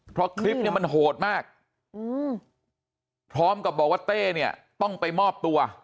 เพราะคลิปเนี่ยมันโหดมากพร้อมกับบอกว่าเต้เนี่ยต้องไปมอบตัว